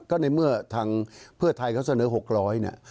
ก็ในเมื่อทางเพื่อไทยเขาเสนอ๖๐๐เนี่ย